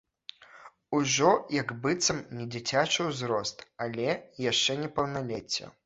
Ужо, як быццам, не дзіцячы ўзрост, але яшчэ не паўналецце.